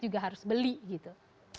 juga harus beli gitu